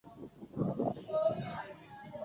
该物种的模式产地在四川峨眉山。